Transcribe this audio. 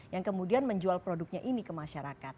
yang kemudian menjual produknya ini ke masyarakat